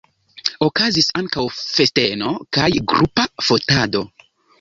Okazis ankaŭ festeno kaj grupa fotado.